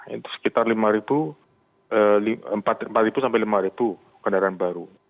itu sekitar empat sampai lima kendaraan baru